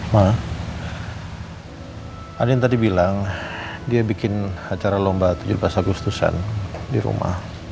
mah ada yang tadi bilang dia bikin acara lomba tujuh belas agustusan di rumah